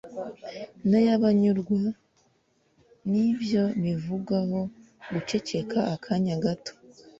n’ay’abanyurwa n’ibyo bivugaho guceceka akanya gato